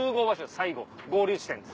最後合流地点です。